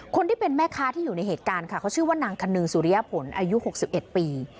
คนที่เป็นแม่ค้าที่อยู่ในเหตุการณ์ค่ะเขาชื่อว่านางคนนึงสุริยผลอายุ๖๑ปี